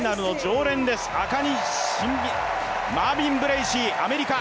マービン・ブレーシー、アメリカ。